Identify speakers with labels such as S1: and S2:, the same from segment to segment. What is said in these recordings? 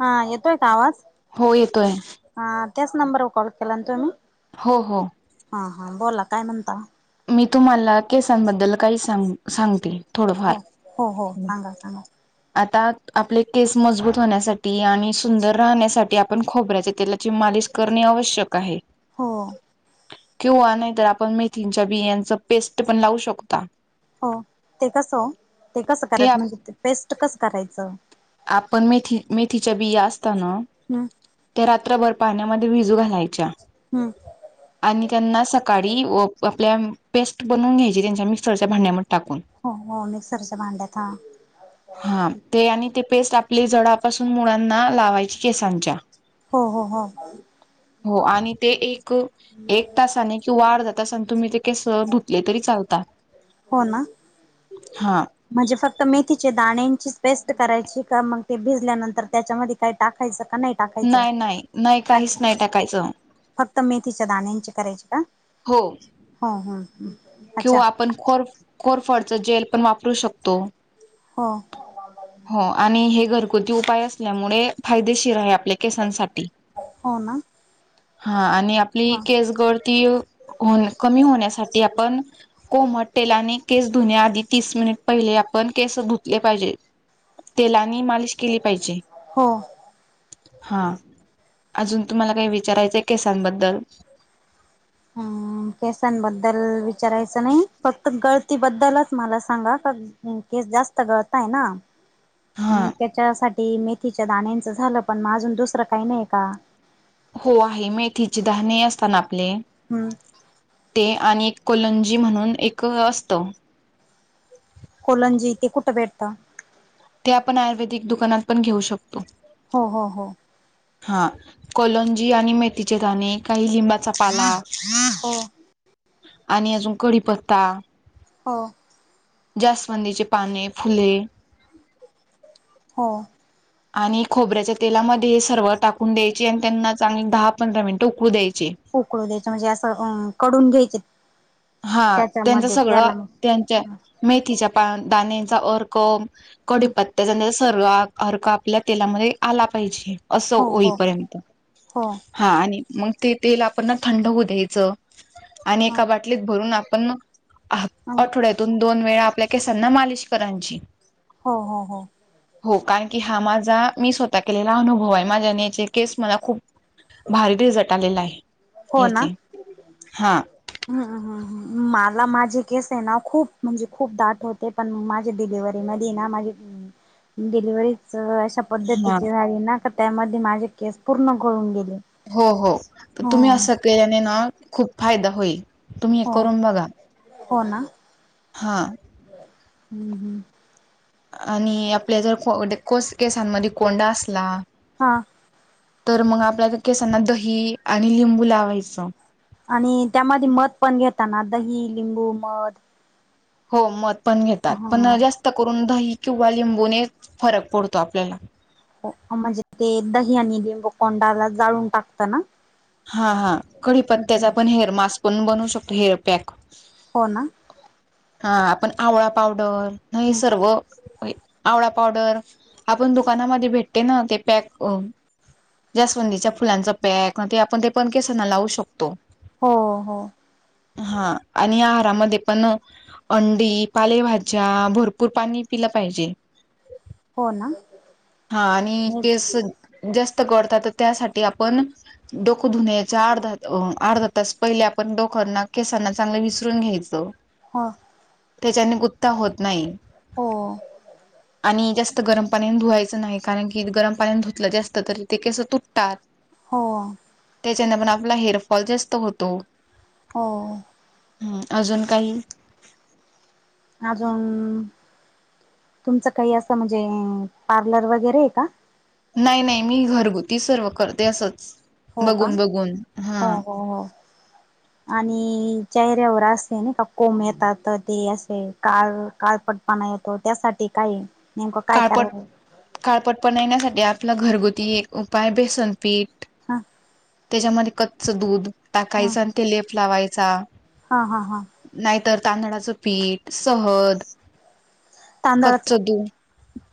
S1: हा. येतोय का आवाज?
S2: हो येतोय
S1: हा. त्याच नंबरवर कॉल केला ना तुम्ही?
S2: हो हो.
S1: हा हा. बोला काय म्हणता?
S2: मी तुम्हाला केसांबद्दल काही सांग सांगते. थोडंफार.
S1: हो हो हो
S2: हं.
S1: सांगा सांगा
S2: आता आपले केस मजबूत होण्यासाठी आणि सुंदर राहण्यासाठी आपण खोबऱ्याचे तेलाची मालिश- करणे आवश्यक आहे.
S1: हो
S2: किंवा नाहीतर आपण मेथींच्या बियांच पेस्ट पण लावू शकता.
S1: हो, ते कसं? ते कसं करायचं? म्हणजे पेस्ट कसं करायचं?
S2: आपण मेथी मेथीच्या बिया असता ना?
S1: हम्.
S2: त्या रात्रभर पाण्यामध्ये भिजू घालायच्या.
S1: हम्म.
S2: आणि त्यांना सकाडी आपल्या पेस्ट बनवून घ्यायची त्यांच्या मिक्सरच्या भांड्यामध्ये टाकून.
S1: हो- हो मिक्सरच्या भांड्यात हा.
S2: हा ते आणि ते पेस्ट आपली जडपासून मुळांना लावायची केसांच्या.
S1: हो -हो- हो.
S2: हो आणि ते ए क-एक तासाने किंवा अर्ध्या तासान तुम्ही ते केस धुतले तरी चालता.
S1: हो, ना?
S2: हा.
S1: म्हणजे फक्त मेथीचे दाण्यांचीच पेस्ट करायची का मग ते भिजल्यानंतर त्याच्यामध्ये काही टाकायचं का नाही? टाकायचं
S2: नाही- नाय-नाही
S1: काय
S2: काहीच नाही टाकायचं.
S1: फक्त मेथीच्या दाण्यांची करायची का?
S2: हो.
S1: हा- हा. हम्.. [inaudible]
S2: किंवा आपण कोरफ- कोरफडच जेल पण वापरू शकतो.
S1: हो.
S2: हो.. आणि हे घरगुती उपाय असल्यामुडे फायदेशीर आहे आपल्या केसांसाठी..
S1: हो ना
S2: हा आणि आपली
S1: हा
S2: केस गळती हो न कमी होण्यासाठी आपण कोमट तेलाने केस धुण्याआधी तीस मिनिट पहिले आपण केसं धुतले पाहिजे. तेलानी मालिश केली पाहिजे.
S1: हो
S2: हा, अजून तुम्हाला काही विचारायचंय केसांबद्दल?
S1: हम्म. केसांबद्दल विचारायचं नाही, फक्त गळती बद्दलच मला सांगा का हम्म केस जास्त गळताय ना?
S2: हा
S1: म त्याच्यासाठी मेथीच्या दाण्यांचं झालं पण मग अजून दुसरं काही नाही का?
S2: हो आहे मेथीचे दहाने असताना आपले
S1: हम्म.
S2: ते आणि एक कोलंजी म्हणून एक असत.
S1: कोलंजी ते कुठं भेटतं?
S2: ते आपण आयुर्वेदिक दुकानात पण घेऊ शकतो.
S1: हो- हो- हो.
S2: हां कोलंजी आणि मेथीचे दाणे काही लिंबाचा पाला
S1: हो
S2: आणि अजून कढीपत्ता
S1: हो.
S2: जास्वंदीचे पाने, फुले
S1: हो.
S2: आणि खोबऱ्याच्या तेलामध्ये हे सर्व टाकून द्यायची आणि त्यांना चांगली दहा -पंधरा मिनिटं उकळू द्यायची.
S1: उकळू द्यायच म्हणजे असंं आ कडून घ्यायचे?
S2: हा त्यांचं
S1: त्याच्यामध्ये
S2: सगळं
S1: त्याला
S2: त्यांच्या
S1: मग
S2: मेथीच्या पा -दाण्याचा अर्क कडीपत्त्याचा नैस स अर्क आपल्या तेलामध्ये आला पाहिजे असं
S1: हो हो
S2: होईपर्यंत
S1: हो
S2: हा आणि मग ते तेल आपण थंड होऊ द्यायचं आणि एका
S1: हो
S2: बाट [inaudible] त भरून आपण
S1: हो
S2: हा-आठवड्यातून दोन वेळा आपल्या केसांना मालिश करांची.
S1: हो- हो- हो.
S2: हो कारण की हा माझा मी स्वतः केलेला अनुभव आहे माझ्या [unintelligible] न्याचे केस मला खूप भारी रिझल्ट आलेला आहे. ह्याचे हा.
S1: हम्मं हं हम्मं मलां माझे केंस आहे नां खूंप म्हणजे खूंप दांट होते पणं माझ्यां डिलिवरी मध्यें नां माझी डिलिव्हरी चं अशा
S2: हा
S1: पद्धतीची झाली नां कां त्यांमध्ये माझे केंस पूर्ण गळूंन गेले
S2: हो हो तरं
S1: हो
S2: तुम्हीं असं केल्यांने नां खूंप फायदां होईल तुम्ही हे
S1: हो
S2: करून बघा
S1: हो नां
S2: हा
S1: हं हम्मं
S2: आणि आपल्यां जरं केस केसांमध्यें कोंडा असलां
S1: हां
S2: तरं मंग आपल्यां केसांना दही आणि लिंबू लावायचं
S1: आणि त्यांमध्ये मध पणं घेताना दही लिंबू मध
S2: हो मध पणं घेतात
S1: हा
S2: पणं जास्तं करूंन दही किंवा लिंबूनेचं फरक पडतो आपल्यांला
S1: म्हणजे ते दही आणि लिंबू कोंडाला जाळूंन टाकतं नां
S2: हां हां कडी पत्त्यांचा पणं हेअर मास्क पणं बनवूं शकतो हेअर पॅक
S1: हो नां
S2: हां आपणं आवळां पावडर दही सर्वं बाई आवळां पावडर आपणं दुकानांमध्ये भेटते नां ते पॅक ज्यांसंवधीच्या फुलांचा पॅक आपणं ते पणं केसांना लावूं शकतो
S1: हो हो
S2: हां आणि आहारांमध्यें पणं अंडी पालेभाज्यां भरंपूर पाणी पिलं पाहिजे
S1: हो ना
S2: हां आणि केंस जास्तं गडतांत तरं त्यांसाठी आपणं डोकं धुनयचा अर्धा अर्धा तासं पहिले आपणं डोकांना केसांना चांगलं विचरूंन घ्यायचं
S1: पं
S2: त्यांच्याने गुप्तां होतं नाहीं
S1: हो
S2: आणिजास्तं गरमं पाण्यांने धुवायचं नाहीं कारणं की गरमं पाण्यांने धुतलं जास्तं असतं तरी ते कसं तुटतांत
S1: हो
S2: त्यांच्याने पणं आपंला हेअरफॉल जास्तं होतो
S1: हो
S2: हम्मं अजूंन कांहीं
S1: अजूंन तुमचं कांहीं असं म्हणजे पार्लर वगैरें आहे कां
S2: नाहीं नाहीं मी घरंगुती सर्व करते असंच
S1: हो का?
S2: बघूंन बघूंन
S1: हो
S2: हां
S1: हो हो आणि चेहऱ्यांवर असे नां कां कोंम येतांत ते असे कांळ कांळपट्ट येतो त्यांसाठी कांहीं नेमकं कायं करावं
S2: कांळपट पनण्यांसाठी आपंला घरंगुती एक उपाय बेसनपीठ
S1: हां
S2: त्यांच्यामध्यें कच्च दूधं टाकायचं आणि ते लेप लावायंचा
S1: हां हां हां
S2: नाहींतर तांदळाचं पीठ सहद
S1: तांदळाचं
S2: कच्च दूध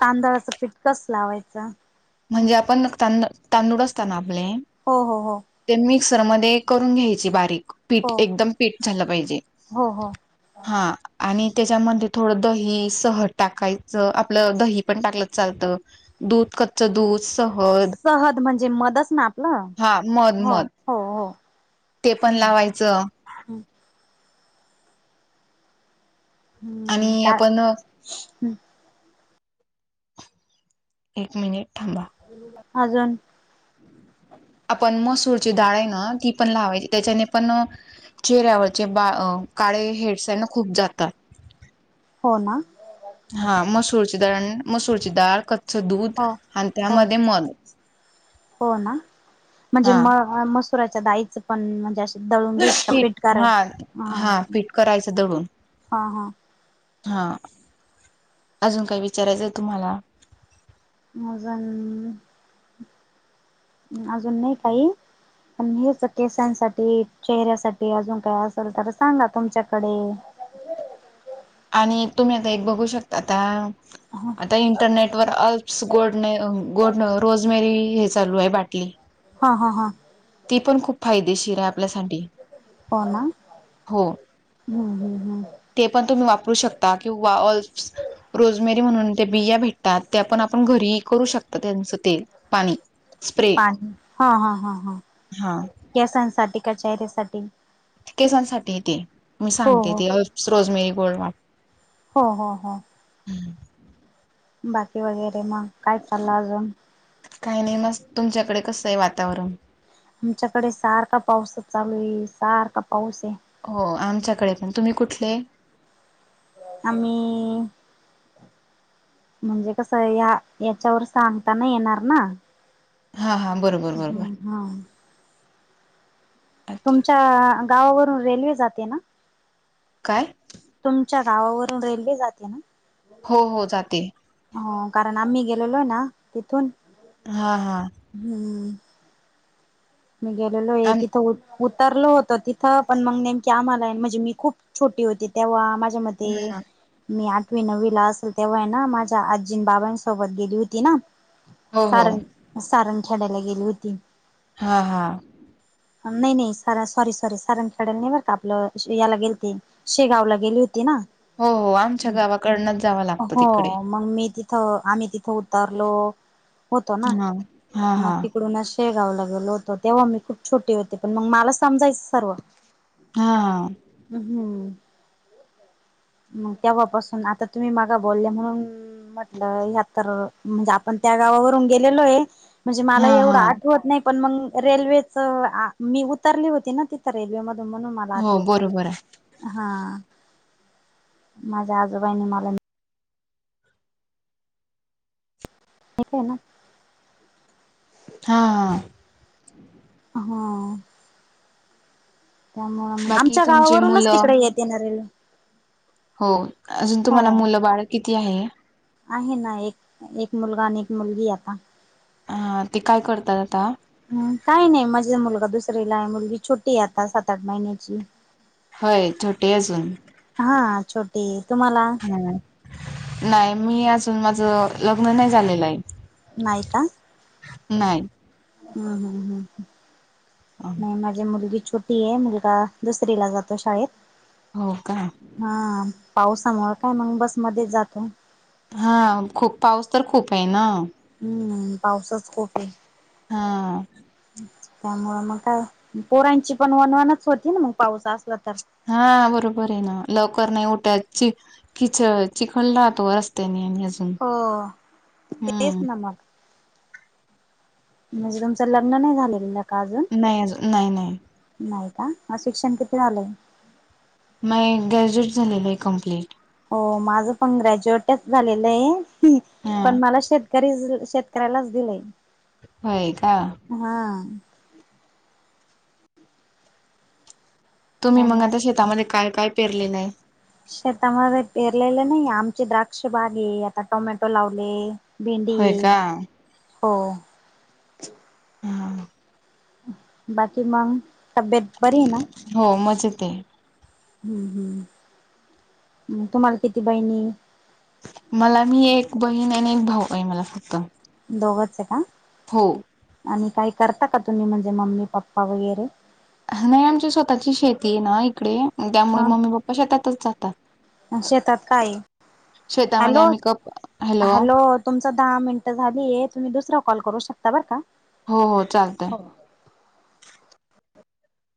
S1: तांदळाचं पीठ कसं लावायचं
S2: म्हणजे आपणं तांदूळ तांदूळ असतां नां आपले
S1: हो हो हो
S2: ते मिक्सरमध्यें करूंन घ्यांयची बारीक पीठ
S1: हो
S2: एकदंम पीठ झालं पाहिजे
S1: हो हो
S2: हां आणि त्यांच्यामध्ये थोडं दही सहज टाकायचं आपलं दही दही पणं टांकल चालतं दूधं कच्च दूधं सहद
S1: सहद म्हणजे मंदच नां आपलं
S2: हा मध
S1: हो
S2: मध
S1: हो हो.
S2: ते पण लावायचं.
S1: हम् हम्म
S2: आणि
S1: का
S2: आपण एक मिनिट थांबा
S1: अजून
S2: आपण मसूरची डाळ आहे ना ती पण लावायची त्याच्याने पण चेहऱ्यावर जे बा काळे हेड्स आहे ना खूप जातात.
S1: हो ना.
S2: हा मसूरची दाळ मसूरची डाळ क च दूध
S1: हो
S2: आणि
S1: हो
S2: त्यामध्ये मध हा
S1: होय मसुराच्या डाळीचं पण म्हणजे अस दळून
S2: पीठ
S1: पिट क
S2: हा
S1: ह
S2: हा पीठ करायचं दळून
S1: हा हा
S2: हा अजून काय विचारायचं तुम्हाला
S1: अजून अजून नाही काही पन हेच केसासाठी, चेहऱ्यासाठी अजून काय असल तर सांगा तुमच्याकडे
S2: आणि तुम्ही आता एक बघू शकता त्या
S1: हा
S2: आता इंटरनेटवर अल्पस गोडणे गोड रोजमेरी हे चालू आहे बाटली
S1: हा हा हा.
S2: ती पण खूप फायदेशीर आहे आपल्यासाठी.
S1: हो ना
S2: हो
S1: हम् हम् हम्.
S2: ते पण तुम्ही वापरू शकता किंवा ऑल्प्स रोजमेरी म्हणून ते बिया भेटतात त्या पण आपण घरी करू शकत त्यांचं तेल, पाणी स्प्रे
S1: पाणी हा हा ह ह
S2: हा
S1: केसांसाठी का चेहऱ्यासाठी
S2: केसांसाठी तेे मी
S1: हो
S2: सांगते
S1: हो
S2: ते रोजमेरी गोल्ड वाट
S1: हो हो हो. बाकी वगैरे मग काय चाललं अजून.
S2: काही नाही मस्त तुमच्याकडे कसं आहे वातावरण.
S1: आमच्याकडे सारखा पाऊसच चालू आहे सारखा पाऊस आहे.
S2: हो आमच्याकडे पण तुम्ही कुठले?
S1: आम्ही म्हणजे कसं हाय ह्या हेच्यावर सांगताना येणार ना.
S2: हा हा बरोबर बरोबर.
S1: हम्म हा.
S2: अच्छा
S1: तुमच्या गावावरून रेल्वे जाते ना.
S2: काय?
S1: तुमच्या गावावरून रेल्वे जाते ना.
S2: हो हो जाते.
S1: हो कारण आम्ही गेलेलो आहे ना तिथून.
S2: हा हा.
S1: हम्म. मी गेलेलो हे
S2: आम
S1: तिथ ऊ उतरल होत तिथं पण मग नेमकीे आम्हाला म्हणजे मी खूप छोटी होती तेव्हा माझ्या म ते
S2: हा
S1: मी आठवी, नववी ला असेल तेव्हा आहे ना माझ्या आजी बाबांसोबत गेली होती ना.
S2: हो हो
S1: सारंग सारंग खेडाला गेली होती.
S2: हा हा.
S1: नाही नाही... सर... सॉरी सॉरी... सारन खेडेला नई बर का... आपलं [unintelligible] गेलते. शेगावला गेली होती ना?
S2: हो हो... आमच्या गावाकडनंच जावं लागतं तिकडे.
S1: हो मग मी तिथं... आम्ही तिथं उतरलो होतो ना...
S2: हा हा
S1: मग
S2: हा
S1: तिकडून अशी. शेगावला गेलो होतो... तेव्हा मी खूप छोटी होते... पण मग मला समजायचं सर्व.
S2: हा.
S1: हम्म. मग तेव्हापासून... आता तुम्ही मघा बोलल्या म्हणून म्हटलं... ह्या तर... म्हणजे आपण त्या गावावरून गेलेलो ए. म्हणजे मला
S2: हा हा
S1: एवढं
S2: हा
S1: आठवत नाही पण मग रेल्वेचं.. मी उतरली होती ना तिथं रेल्वे मधून... म्हणून मला
S2: हो
S1: आठवतय.
S2: बरोबर आहे
S1: हा... माझ्या आजोबांनी मला आहे येतंय ना?
S2: हा.
S1: अं... हा. त्यामुळे मग...
S2: बाकी
S1: आमच्या...
S2: तुमचे
S1: गावावरूनच
S2: मुलं
S1: तिकडे येते ना रेल्वे.
S2: हो... अजून
S1: हो
S2: तुम्हाला मुलं बाळ किती हाये?
S1: आहे ना एक... एक मुलगा आणि एक मुलगी ए आता
S2: अं... ते काय करतात आता?
S1: हम्म... काही नाही... माझा मुलगा दुसरीला आहे... मुलगी छोटी आता... सात आठ महिन्याची.
S2: होय.... छोटी ए अजून
S1: हा... छोटी ए... तुम्हाला?
S2: हं... नाही... मी अजून... माझं लग्न नाही झालेलं ए.
S1: नाही का... हं हं हं. नाही... माझी मुलगी छोटी ए.... मुलगा दुसरीला जातो शाळेत.
S2: हो का?
S1: हा,.. पावसामुळं का... मग बसमध्येच जातो.
S2: हा खूप पाऊस तर... खूप ए ना
S1: हम्म.... पावसच खूप ए.
S2: ह्म्म्म.
S1: त्यामुळे मग काय.... पोरांची पण वनवनच होती ना मग... पाऊस असला तर.
S2: हा बरोबर ए ना... लवकर नाई उठत... चि... खिच... चिखल राहतो रस्त त्यांनी आणि अजून...
S1: हो तेच
S2: हम्म
S1: ना मग म्हणजे तुमचं लग्न नाही झालेलं ना... का आजून?
S2: नाई अजून... नाई नाई.
S1: नाही का? मग शिक्षण किती झालंय?
S2: मयी ग्रॅज्युएट झालेलं ए कम्प्लीट.
S1: हो, माझं पण ग्रॅज्युएटच झालेलं ए...
S2: हा
S1: पण मला शे करीच... शेतकऱ्यालाच दिलंय.
S2: होय का?
S1: हा.
S2: तुम्ही मग
S1: त्यामुळे
S2: आता शेतामध्ये काय काय पेरलेलं ए?
S1: शेतामध्ये पेरलेले नाई ए... आमची द्राक्ष बाग ए... आता टोमॅटो लावले भेंडी
S2: होय
S1: ए...
S2: का
S1: हो.
S2: हा
S1: बाकी मग तब्येत बरी आहे ना?
S2: हो मजेत आहे
S1: हम्म हम्म्. तुम्हाला किती बहिणी?
S2: मला मी एक बहीण आणि एक भाऊ आहे मला फक्त.
S1: दोघच आहे का?
S2: हो.
S1: आणि काही करता का तुम्ही? म्हणजे मम्मी पप्पा वगैरे.
S2: नाही आमची स्वतःची शेती आहे ना इकडे. त्यामुळे
S1: हा
S2: मम्मी पप्पा शेतातच जातात.
S1: शेतात. काय
S2: शेतामध्ये आम्ही कप - अ हॅलो.
S1: तुमची दहा मिनिटं झालीये. तुम्ही दुसरा कॉल करू शकता बरं का.
S2: हो हो चालतंय.
S1: हो